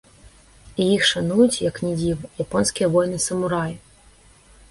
І іх шануюць, як ні дзіва, японскія воіны-самураі!